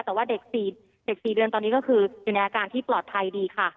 แต่ว่าเด็ก๔เดือนตอนนี้ก็คืออยู่ในอาการที่ปลอดภัยดีค่ะ